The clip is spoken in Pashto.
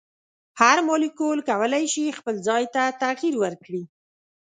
هر مالیکول کولی شي خپل ځای ته تغیر ورکړي.